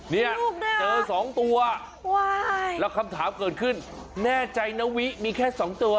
เนี่ยเจอสองตัวแล้วคำถามเกิดขึ้นแน่ใจนะวิมีแค่สองตัว